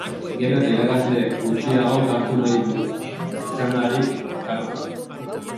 Gero eta irakasle gutxiagok hartu nahi du zuzendari kargua.